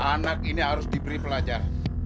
anak ini harus diberi pelajar